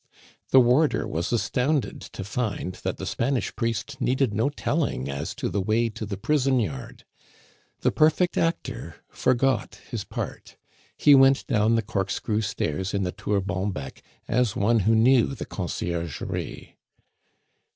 The warder was astounded to find that the Spanish priest needed no telling as to the way to the prison yard. The perfect actor forgot his part; he went down the corkscrew stairs in the Tour Bonbec as one who knew the Conciergerie.